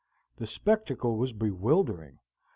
The spectacle was bewildering.